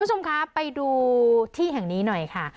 คุณผู้ชมคะไปดูที่แห่งนี้หน่อยค่ะ